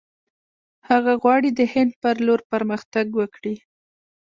هغه غواړي د هند پر لور پرمختګ وکړي.